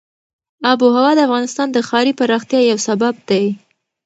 آب وهوا د افغانستان د ښاري پراختیا یو سبب دی.